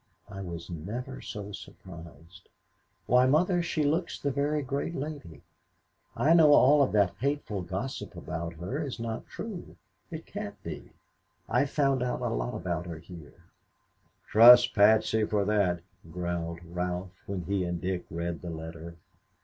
"I was never so surprised. Why, Mother, she looks the very great lady. I know all of that hateful gossip about her is not true. It can't be. I've found out a lot about her here." "Trust Patsy for that," growled Ralph, when he and Dick read the letter.